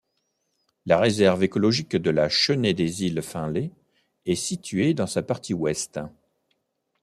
La réserve écologique de la Chênaie-des-Îles-Finlay est situé dans sa partie ouest.